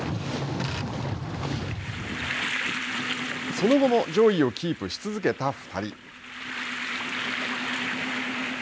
その後も上位をキープし続けた２人。